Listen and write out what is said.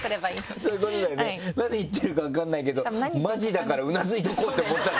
そういうことだよね何言ってるか分かんないけどマジだからうなずいとこうって思ったんだろうね。